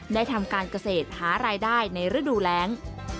ได้ทำการเกษตรหารายได้ในฤดูแรง